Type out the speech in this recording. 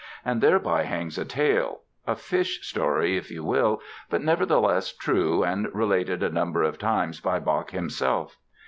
And thereby hangs a tale—a fish story, if you will, but nevertheless true and related a number of times by Bach himself.